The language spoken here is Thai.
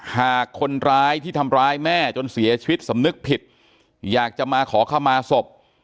หากคนร้ายที่ทำร้ายแม่จนเสียชีวิตสำนึกผิดอยากจะมาขอเข้ามาศพ